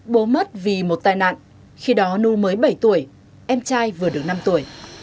bố mất vì một tai nạn khi đó nu mới bảy tuổi em trai vừa được năm tuổi